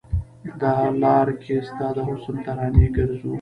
د لار کې ستا د حسن ترانې ګرځو